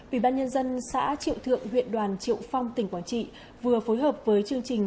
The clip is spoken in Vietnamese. ủy ban nhân dân xã triệu thượng huyện đoàn triệu phong tỉnh quảng trị vừa phối hợp với chương trình